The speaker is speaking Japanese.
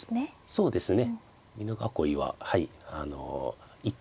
そうですね。